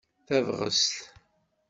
Tabɣest!